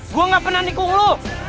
gue gak pernah nikung lo